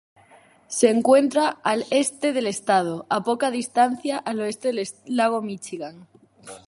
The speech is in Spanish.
Se encuentra al este del estado, a poca distancia al oeste del lago Míchigan.